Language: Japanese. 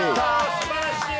すばらしい！